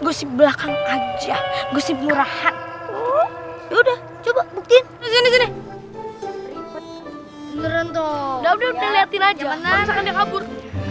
gosip belakang aja gosip murahan udah coba bukti ini beneran toh udah liatin aja kaget